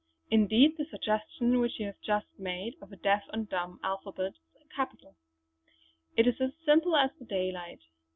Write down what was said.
Indeed the suggestion, which you have just made, of a deaf and dumb alphabet is capital. It is as simple as the daylight!